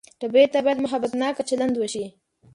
ټپي ته باید محبتناکه چلند وشي.